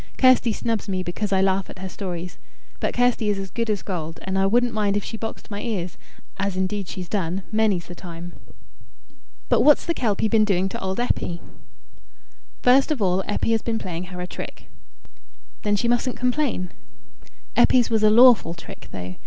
Kirsty snubs me because I laugh at her stories. But Kirsty is as good as gold, and I wouldn't mind if she boxed my ears as indeed she's done many's the time." "But what's the Kelpie been doing to old Eppie?" "First of all, Eppie has been playing her a trick." "Then she mustn't complain." "Eppie's was a lawful trick, though.